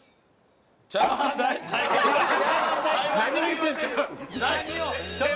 何を言ってるんですか。